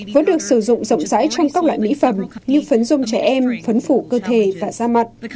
vẫn được sử dụng rộng rãi trong các loại mỹ phẩm như phấn rum trẻ em phấn phủ cơ thể và da mặt